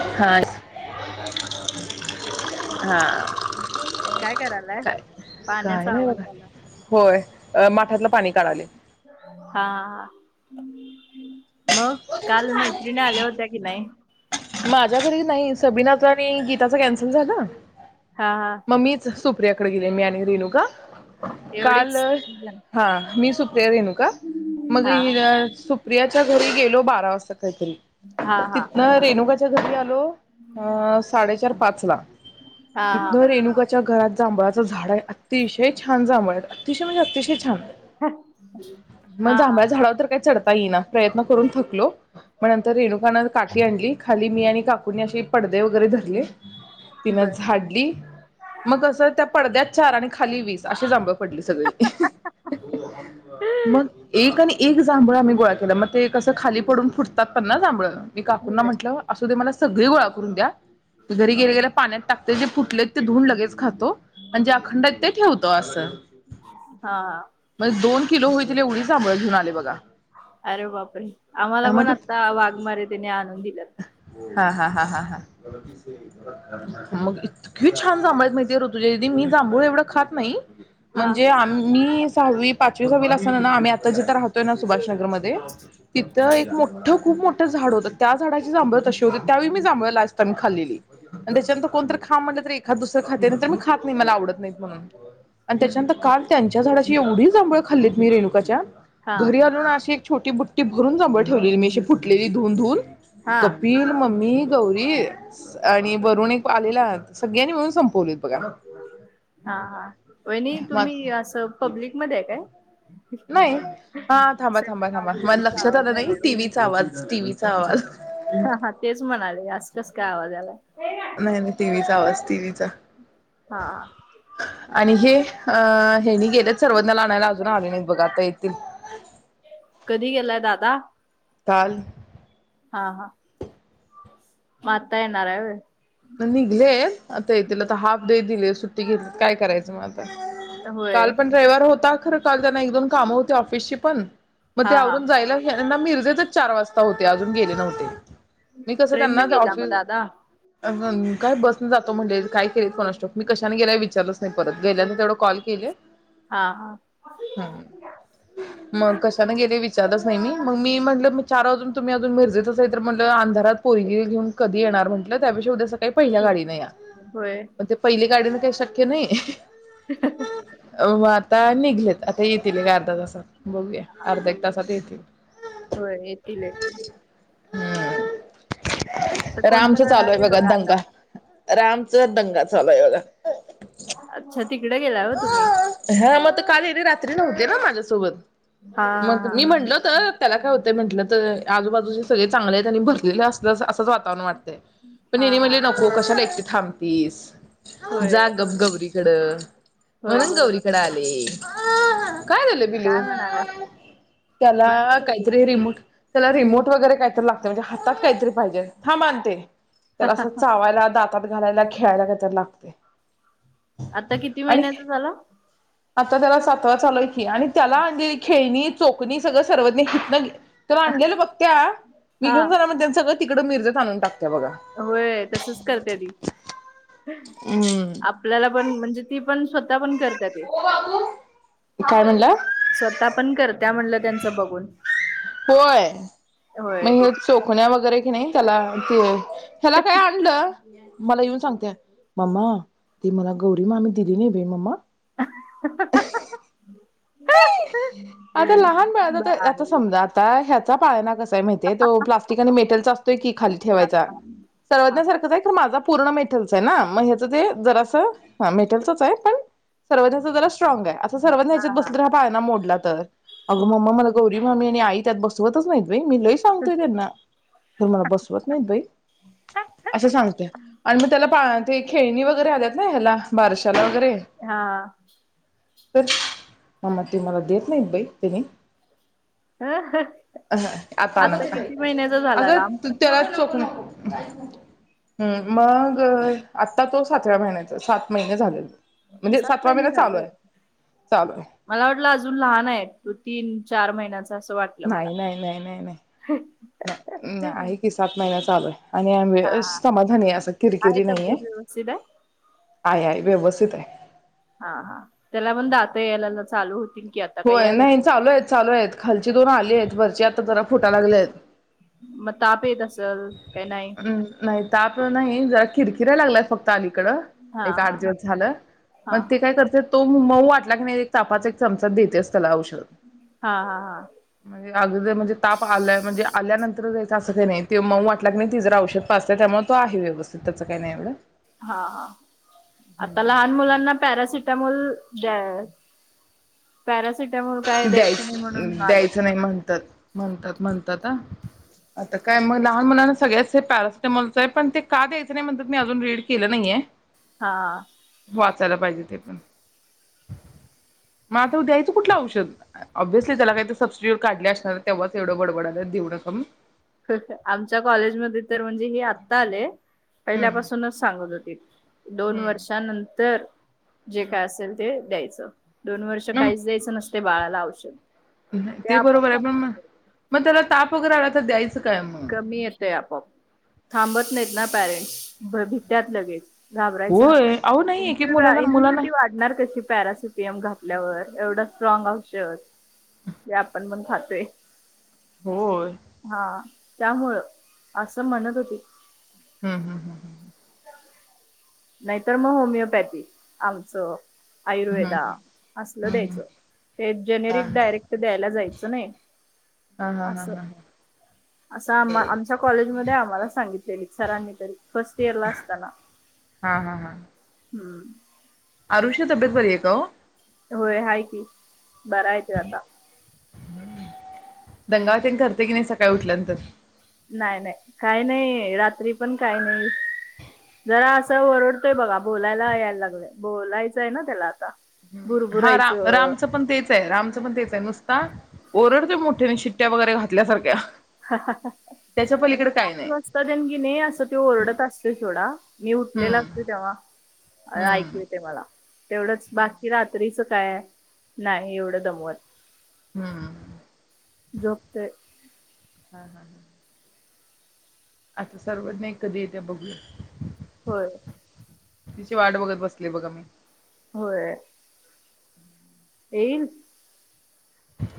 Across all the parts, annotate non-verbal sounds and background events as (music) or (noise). हा हाय झा आला की काय करायलाय काय, काय पाण्याचा नाही आवाज बघा आला होय माठातलं पाणी काढालय. हां, मग काल मैत्रिणी आल्या होत्या की नाही? (unintelligible) झ्याघरी नाही सबीनाचा आणि गीताच कॅन्सल झालं. हा हा मम्मीचं सुप प्रियाकडे गेले मी आणि रेणूका. काल एवढीच जण. हां मी, सुप्रिया, रेणुका मग हा ही अ सुप्रियाच्या घरी गेलो बारा वास् कातरी, हा हा हा तिथनं रेणुका (unintelligible) ओ, हं साडे तर पाच ला. हा तितनं रेणुकाच्या घरात जांभळाचं झाड हाय, अतिशय छान जांभळं आहेत. अतिशय म्हणजे अतिशय छान. मग हा जांभळ्या झाडावर तर काय चढ ता येईना प्रयत्न करून थकलो. म नंतर रेणुकान काठी आणली. खाली मी आणि काकूनी अशे पडदे वगैरे धरले. हा तिनं बर झाडली, मग असं त्या पडद्यात चार आणि खाली वीस अशी जांभळं पडली सगळी. मग एक आणि एक जांभळं आम्ही गोळा केलं. म ते कसं खाली पडून फुटतात पन् ना जांभळं. मी काकुंना होय म्हण सुधि मला सगळी गोळा करून द्या. घरी गेल्या गेल्या पाण्यात टाकते. जे फुटलेत ते धुऊन लगेच खातो, म्हणजे अखंड आएत ते क्यो होतो आसं. हां किलो होईतील एवढी जांभळं घेऊन आले बघा. अरे बाप रे, आम्हाला पण मग ते आता वाघमारे त्याने आणून दिल्यात. हां-हां-हां-हां-हां मग इत त्की छान जांभळं आएत माहितीये रुत लइ दि आधी मी जांभूळ एवढं खात नाही. हा म्हणजे आम्ही, सहावी पाचवी सहावी ला अस् सन ना आम्ही आता जिथं राहतोय ना सुभाषनगर मध्ये तिथं एक मोठं खूप मोठं झाड होतं त्या झाडायची जांभळं तशी होतीत. त्यावेळी मी जांभळ लास्ट टाइम खाल्लेली आणि त्याच्यानंतर. कोण तर खा म्हणलं तर एखाद दुसर खाते नाही तर मग मी खात नाही. मला आवडत नाही म्हणून आणि हम्म. त्याच्यानंतर काल त्यांनी. त्या झाडाची एवढीच जांभळ खाल्लीत मी, रेणुकाच्या. हा घरी आलून अशी छोटी बुट्टी भरून जांभळ ठेवलेली मी, आशी फुटलेली धुवून-धुवून हा कपिल, मम्मी. गौरी आणि वरुण एक आलेला, सगळ्यांनी मिळून संपवलीत. हा हा वाहिनी, मग तुम्ही असं पब्लिक मध्ये आहे काय? नाही हा थांबा थांबा सगळ थांबा आजू मला बाजूचा आवाज यायलाय. चा आवाज हा हा तेच म्हणाले आस कस काय आवाजा यायलाय? नाही नाही टीव्हीचा आवाज टीव्हीचा हा आणि हे अ हेनी गेल्यात सर्वंदन्याला आणायला अजून आले नाहीत. बघा आता येतील. कधी गेलाय दादा काल. हा हा. म आता येणार हाय होय? निघलेत आता येतील आता हाफ डे दिलेय सुट्टी घेतली काय करायचं म? होय होय काल पण रविवार होता खरं काल त्यांना एक दोन कामं होती ऑफिसची, पण मग हा ते हा आवरून जायला तेना मिरजेतच चार वाजता होते अजून गेले नव्हते. ट्रेन न गेला मग दादा? अ काय बसने जातो म्हटलेलत काय केलेत कोणास ठाऊक, मी कशाने गेलाय विचारच नाही परत गेल्यावर तेवढं कॉल केले. हा हा ह मग कशाने गेले विचारलच नाही म मग मी म्हटलं मी चार वाजून तूम्ही अजून मिरजेतच नाही तर म्हटलं अंधारात पोरीगीला घेऊन कधी येणार म्हटलं? त्या पेक्षा उद्या स का पहिल्या गाडीन या. होय ते पहिली गाडी ते शक्य नाही अ (unintelligible) आता निघलेत आता येतील एक आर्ध्या तासात बघूया अर्ध्या एक तासात येतील. होय येतील कोण तर आज आलोय बघा दंगा रामचा दंगा चालूय बघा. अच्छा तिकडे गेला हो तुम्ही. हा मग काल हेनी रात्री नव्हते ना माझ्यासोबत हा मग हा मी म्हटल होतं त्याला काय होतंय म्हंटलं तरं आजूबाजूचे सगळे चांगलेयत आणि भरलेल असलं असंच वातावरण वाट तय, पण हा हेनी हा म्हणले नको कशाला एकटी थांबतीस. होय जा गप गौरी इकडं होय म्हणून बरोबर गौरीकडे आलेय काय झालं बिलू काय म्हणालाय त्याला बर काहीतरी रिमोट त्याला रिमोट वगैरे काय तर लागतं म्हणज हातात काय तरी पाहिजे थांब आणते त्याला असं चावायला दात तात घालायला खेळायला काहीत लागतय. आता कित ती महिन्याचा झाला. आता त्याला सातवा चालूय कीवआणि त्याला आंदी खेनी चोख कुणी सगळं सर्वज्ञ होत न तर आणलेला बघत्या मी हा घेऊन जाणार म्हणत्यां सगळं तिकडे मिरजेत आणून टाक होय तसच करते ती. हम्म आपल्याला पण म्हणजे ती पण स्वतः पण कर त्या ते, काय म्हणला? स्वतः पण करत्या म्हणलं त्यांचा बघून होय मग होय ते हे चुकताना चोखण्या वगैरे की नाही त्याला आणती ओय. ह्याला काय आणलं? मला येऊन सांगत्याय मम्मा, ती मला गौरी मामी दिली नाय बाई मम्मा. (unintelligible) आता लहान बाळाचं आता बाई! समजा आता ह्यात पाळणा कस माहिती हाय? तो प्लास्टिक आणि मेटल चा असतोय की खाली हां, ठेवायचा. सर्वज्ञा सारखाच आहे खर माझा पूर्ण मेटेलच आहे ना. मग हेच ते जरा असं मेटल तरच आहे पण जरा आस सर्वज्ञाचा जरा स्ट्रांग आहे. असं सर्वां हां, ह्याच्यात हां. बसल्यावर हा पाळणा मोडणार. तर अगं हो, मम्मा मला गौरी मी आणि आई त्यात बसवतच नाही. मी लय सांगतोय तेना तर, मला बसवत नाही बाई. असं सांगत आणि मी त्याला पा ते खेळणी वगैरे आल्यात ना ह्याला बारशाला वगैरे हा. तर मम्मा ते मला दे. नाहीत बाई तेनी. अ आता न किती महिन्याचा झाला राम? अगं त्याला चोख हम्म मग आता तो सातव्या महिन्याचा. सात महिने झाले. सात महिने झाले? चालू आहे मला वाटलं अजून लहान आहे. त तीन चार महिन्याचा अस वाटलं मला. नाही नाही नाही नाही नाही. आहे की सात माहि चालू हाय. आणि आ हां, समाधनी आहे असं. आहे किरकिरी नाहीे तब्येत हाय व्यवस्थित आहे? आहे आहे आहे. व्यवस्तीत आहे. हा हा त्याला मण दात यायला ना चालू होतील. की आता काही होय यायला नाही चालू आहेत, चालू आहेत खालची दोन आली आहेत वरची आता जरा फुटा लागल्यात मग ताप येत असेल काही नाही? हम् नाही ताप नाही कीरकिरा लागलाय फक क्त आलिकड एक हां, आठ हां. दिवस झालं. पण हां, ती हां. काय करत तो मऊ वाटला की नाही एक तापाचा एक चमचा देत्याच. तेला आऊषद हां, हां, हां. म्हण अग म्हणजे ताप आ म्हणजे आल्यानंतर द्यायचं असं काय नाही ते मऊ वाटला क नाही ति जर औषध पाजते त्यामुळ तो आहे व्यवस्थित त्याचं काय नाय एवढं हा हा आता लहान मुलांना पॅरासिट टिमोल दया पॅरा द्यायच द्यायचं नाही म्हणतात म्हणतात म्हणतात आ आता काय म लहान मुलांनाच सगळ्याच हे पॅरासिटिमलच ये पण ते का द्यायचं नाय म्हणतात मी अजून रीड केलं नाहीये. हा वाचायला पाहिजे ते पण म आता ओ द्यायचं कुठलं औष ऑब्सली त्याला काहीतर सबसिड्युट काढले असणार, तेव्हाच एवढं बडबडाला लागलेत देऊ नका म्हणून आमच्या कॉलेजमध्ये तर म्हणजे हे आता आले हम्म पहिल्यापासूनच सांगत होती. दोन हम्म. वर्षानंतर जे काय असेल ते द्यायचं. (inaudible) दोन वर्ष काहीच द्यायचं नसतय बाळाला औषध ते आपोआप बरोबर आहे पण म कमी म त्याला ताप वगैरे आला तर द्यायचं काय? मग? कमी येतय आपोआप थांबत नाहीत ना पॅरेंटस भित्यात लगेच घाबरायचं होय अहो नाय नाही एक एक मुला तुमची मुलांना इम्युनिटी वाढणार कशी पॅरासिपियम घाब आपल्यावर एवढं स्ट्रॉग औषध जे आपण पण खातोय होय हा त्यामुळं असं म्हणत होते. हुं हुं हुं हुं नाहीतर म होमिओपॅथी आमचं आयुर्वेदा असलं द्यायचं ते हा जेनेरिक हा डायरेक्ट द्यायला जायचं नाही. हा अस हा हा असं आ आमच्या कॉलेज मध्ये आम्हाला सांगितलेली सरांनी तरी फर्स्ट इयरला असताना. हा हा हा हुं अरुषच तब्येत बरी आहे का ओ? होय हाय की बराय त्यो आता दंगा व तेन करते की नाय सकाळी उठल्यानंतर नाही नाही काही नाही रात्री पण काही नाही जरा असं ओरडतोय बघा बोलायला यायला लागलंय बोलायचंय ना त्याला आता हा राम बुरबुरायचं रामचं पण तेच आहे रामचं पण तेच आहे नुस आता ओरडतोय मोठ्याने शिट्ट्या वगैरे घातल्यासारख्या त्याच्या म्हणजे, पलीकडे काय पाच नाही. वाजता कणी असं तो ओरडत असतोय सोडा. मी उठलेला हम्म. असतो, तेव्हा ऐकू हम्म येतंय मला. तेवढंच बाकी रात्रीच काय, नाही एवढं दमवत. हम. जोपतोय. (unintelligible) आता सर्वज्ञ एक, कधी येत्या बघूया. होय. तिची वाट बघत बसली बघा मी. होय. येईन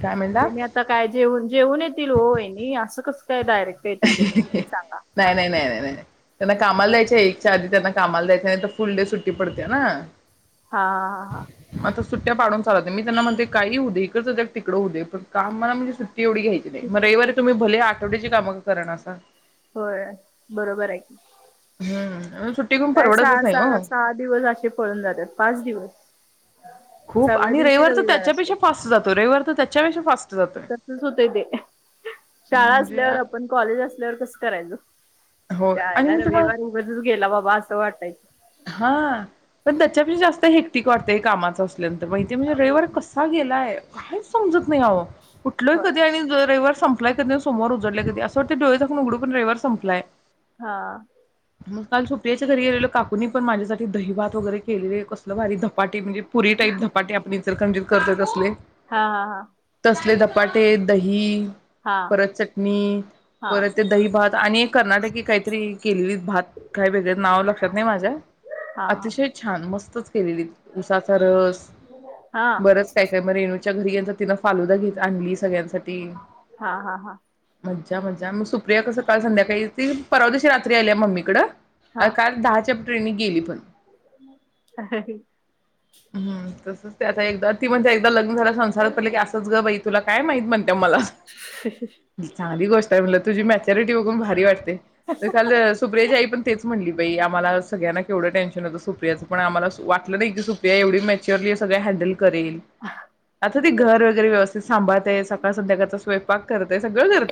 काय म्हणला? तुम्ही आता काय जेवन, जेवून येत येतील ओ वाहिनी असं कस ते डायरेक्ट येतील (unintelligible) सांगा. नाही नाही नाही नाही नाही. त्यांना कामाला जायचे. एकच्या आधी त्यांना कामाला जायचंय नाही तर, फुल डे सुट्टी पडते ना. हा हा. मग आता सुट्ट्या पाडून चालत नाही, मी त्यांना म्हणते, काही ही होउ दे एकच जग तिकडं होऊ दे पण, कामाला म्हणजे सू तेवढी घ्यायची नाही, ठीक म आहे. रविवारी तुम्ही भले छोटीशी का मग. कारणासा. होय. बरोबर आहे की, हम, काय सहा सहा सहा दिवस असे पळून जातात, पाच दिवस. खूप सहाव्या आणि, दिवशी रविवार तर असतो त्याच्यापेक्षा फास्ट जातो, रविवार तर, त्याच्यापेक्षा फास्ट. जातोय. तसंच होतय ते. शाळा म्हणजे असल्यावर, आपण कॉलेज असल्यावर, कसं करायचं. होय आणि चायला मी तुम्हाला रविवार उगाचच गेला बाबा आज. तो वाटायच. हा पण त त्याच्या बी पण जास्त हेक्टक वाटतं कामाचं अस, नंतर माहिती आहे, म्हणजे रविवार कसा गेलाय. काहीच समजत नाही हवं आहो. कुठल होय कधी आणि अ रविवार. संपलाय कधी, सोमवार उज उघडले असं वाटत डोळे झाकून उघडू पण रविववर संपलाय. हा मग काल सुप्रिया च्या घरी गेलेलो का कोणी पण माझ्यासाठी दहीभात वगैरे केलेले, कसलं भारी धपाटे म्हणजे. पुरी टाईप धपाटे आप इचलकरंजीत करतोय तसली. हा हा हा असले धपाटे दही परत चटणी, हा हा परत ते दहीभात आणि एक कर्नाटकी काहीतरी. केलेली भात काय वेगळं नाव लक्षात नाही माझं हा अतिशय छान मस्त. केलेलीत, उसाचा रस हा बरच काय काय मरे तेनचा घरी गेलेल तिला फालुदा घेत आणली सगळ्यांसाठी हा हा हा मज्जा मज्जा! मग सुप्रिया कसं काल संध्याकाळी आलती ती, पररावा दिवशी रात्री आल्या मम्मी कडं? हा अ काल दहाच्या ट्रेन नी गेली पण (unintelligible) हम्म त्याचं एकदा ती म्हणत्या एकदा लग्न झालं, संसारात पडलं की असंच ग बाई, तुला काय माहित म्हण त्या मला. चांगली गोष्ट आहे म्हणलं तुझी मॅच्युरिटी बघून भारी वाटते. काल सुप्रियाची आई पण तेच म्हणली बाई आमाला सगळ्यांना केवढं टेनशन होत, सुप्रियाच पण आम्हाला असं वाटलं नाही की सुप्रिया एवढ मॅचुरली सगळ हँडल करेल, आता ते होय घर वगैरे व्यवस् सांभाळते, सकाळ संध्याकाळचा स्वयपाक करतेय सगळं करते.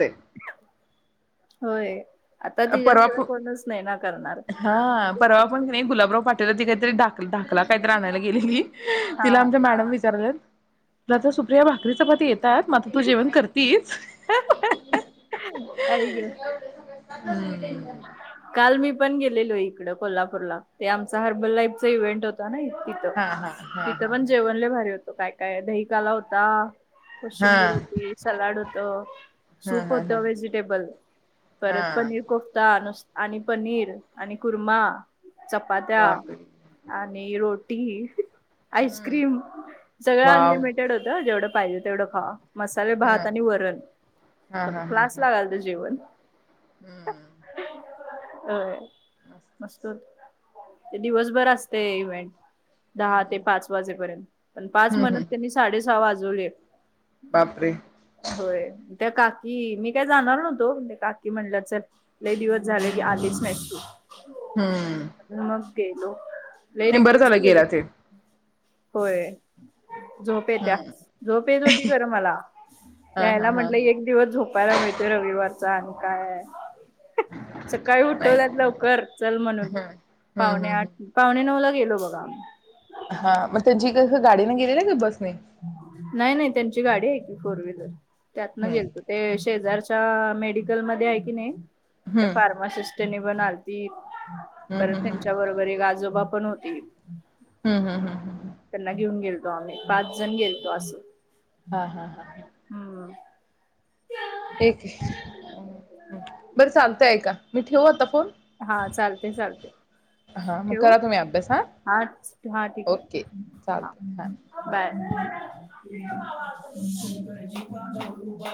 होय आता परवा तिच्याशिवाय प कोणच नाही ना करणार. अहो पण तिनी गुलाबराव पाटीलला ती काय तरी दा धाकला काहीतरी आणायला गेलेली, हा तिला हा आमच्या मॅडमनी विचारलं आता सुप्रिया, भाकरी चपाती येतात म आता तू जेवण करतीस? आय गं हं काल मी- मी पण गेलेलो इकड, कोल्हापूरला ते आमचा हर्बल लाईफचा इव्हेंट होता ना तिथं हा हा हा तिथं हा पण जेवण लय भारी होतं. काय काय दहीकाला होता! हा हा कोशिंबीर होती सलाड होतं तं हा सूप हा हा. होतं व्हेजिटेबल, हा परत पनीर ता नुस आणि पनीर. आणि कुर्मा, चपात्या बापरे आन् नी रोटी हम्म आईस्क्रीम, सगळं वाव अनलिमिटेड होतं जेवढं पाहिजे तेवढं खावा. मसाले हा भात आणि वरण हा हा हा क्लास हा लागालतं जेवण. हम्म (unintelligible) ओय मस्तच ते दिवसभर असते इव्हेंट. दहा ते पाच वाजेपर्यंत, पण पाच हम्म म्हणत हम्म त्यांनी साडे सहा वाज जुळे बापरे होय, त्या का की मी काय जाणार नव्हतो. त्या काकी म्हणल्या चल. लय दिवस झाले आलीच नाहिस तू. हम्म मग गेलो लय नई बरं रिक्वेस्ट झालं केली गेला ते. होय. झोप येत्या, हम्म झोप येत होती खरं मला, हा हा यायला हा म्हटलं हा एक दिवस झोपायला मिळते रविवार. चान काय? सकाळी नाही उटवल्यात लवकर चल म्हणून, हम्म पावणे हम्म हम्म. आठ पावणे नऊ ला गेलो बघा. जसं गाडीने गेलेला की बस ने? नाई-नाई त्यांची गाडी आय की फोर व्हीलर. त्यातनं गेलतो. हम्म ते शेजारची त्या मेडिकल मध्ये आय की नाई. त्या हम्म फार्मासिस्ट तेनी पण आलतित. हम्म परत हम्म त्यांच्या बरोबर एक आजोबा पण होत् ते. हम्-हम्-हम्-हम् त्यांना घेऊन गेलतो आम्ही पाच जण गेलतो आसं. हा हा हा. एक बरं चालतय का मी ठेवू आता फोन हा चालतेय चालते हा मग ठेवू? करा तुम्ही अभ्यास हा हा ठीक आहे ओके हा चालतंय बाय. (unintelligible)